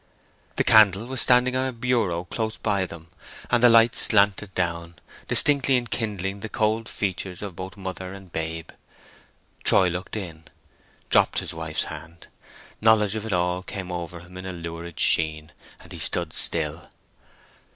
The candle was standing on a bureau close by them, and the light slanted down, distinctly enkindling the cold features of both mother and babe. Troy looked in, dropped his wife's hand, knowledge of it all came over him in a lurid sheen, and he stood still.